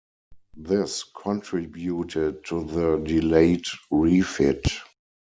This contributed to the delayed refit.